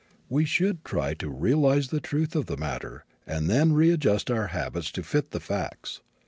We should try to realize the truth of the matter and then readjust our habits to fit the facts.